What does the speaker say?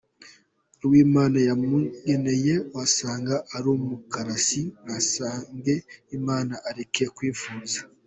Uwimana yamugeneye wasanga arumukarasi nasenge Imana areke kwifuza.